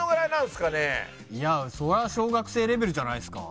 いやそりゃ小学生レベルじゃないですか？